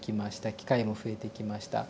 機会も増えてきました。